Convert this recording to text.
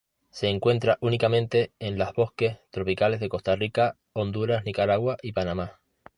Se encuentra únicamente en las bosques tropicales de Costa Rica, Honduras, Nicaragua, y Panamá.